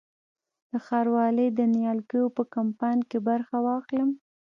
د ښاروالۍ د نیالګیو په کمپاین کې برخه واخلم؟